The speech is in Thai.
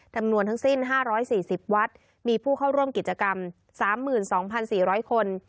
จำนวนทั้งสิ้น๕๔๐วัดมีผู้เข้าร่วมกิจกรรม๓๒๔๐๐คน